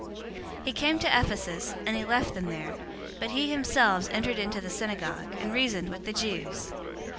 018:019 He came to Ephesus, and he left them there; but he himself entered into the synagogue, and reasoned with the Jews.